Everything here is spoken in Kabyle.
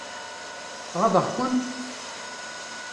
Ɣaḍeɣ-kent?